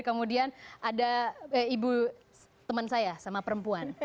kemudian ada ibu teman saya sama perempuan